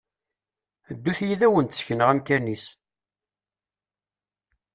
Ddut yid-i ad wen-d-sekneɣ amkan-is!